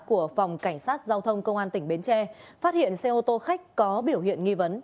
của phòng cảnh sát giao thông công an tỉnh bến tre phát hiện xe ô tô khách có biểu hiện nghi vấn